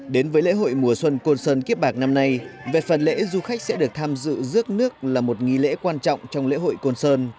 đến với lễ hội mùa xuân côn sơn kiếp bạc năm nay về phần lễ du khách sẽ được tham dự rước nước là một nghi lễ quan trọng trong lễ hội côn sơn